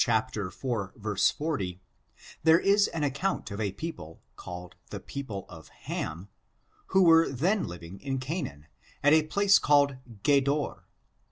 iv, 40, there is an account of a peo ple, called the people of Ham, who were then living in Canaan, at a place called Gedor.